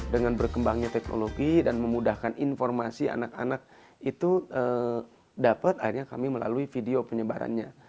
dengan berkembangnya teknologi dan memudahkan informasi anak anak itu dapat akhirnya kami melalui video penyebarannya